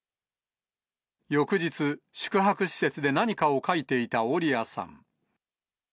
翌日、宿泊施設で何かを書いていたオリアさん。